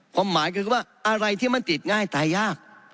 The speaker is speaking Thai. ความหมายคือว่าอะไรที่มันติดง่ายตายยาก